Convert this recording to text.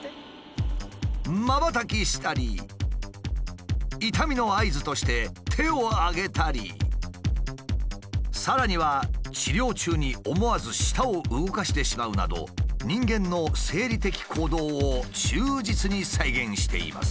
瞬きしたり痛みの合図として手をあげたりさらには治療中に思わず舌を動かしてしまうなど人間の生理的行動を忠実に再現しています。